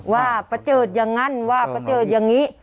ว่าประเจิดอย่างนั้นว่าประเจิดอย่างนี้